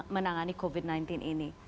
menangani covid sembilan belas ini